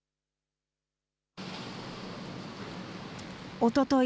おととい、